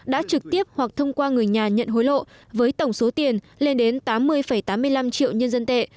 đã trực tiếp hoặc thông qua người nhà nhận hối lộ với tổng số tiền lên đến tám mươi tám mươi năm triệu nhân dân tệ